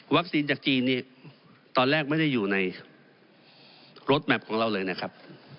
จากจีนนี่ตอนแรกไม่ได้อยู่ในรถแมพของเราเลยนะครับ